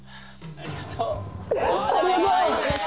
ありがとう！